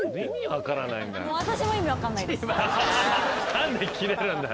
何でキレるんだよ。